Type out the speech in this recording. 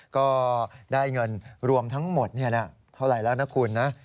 ก็ได้เงินรวมทั้งหมดเท่าไหร่แล้วนะคุณนะ